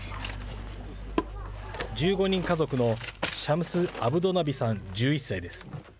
１５人家族のシャムス・アブドナビさん１１歳です。